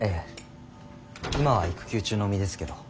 今は育休中の身ですけど。